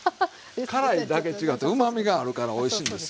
辛いだけ違ってうまみがあるからおいしいんですよ。